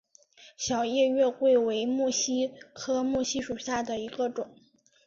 小叶月桂为木犀科木犀属下的一个种。